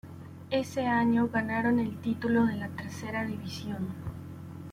Ese año ganaron el título de la Tercera División.